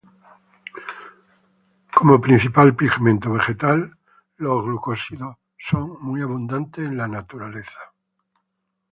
Como principal pigmento vegetal, los glucósidos son muy abundantes en la naturaleza.